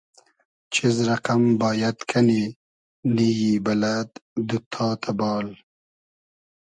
چیز رئقئم بایئد کئنی, نییی بئلئد, دوتتا تئبال